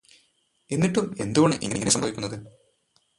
എന്നിട്ടും എന്തുകൊണ്ടാണ് ഇങ്ങനെ സംഭവിക്കുന്നത്?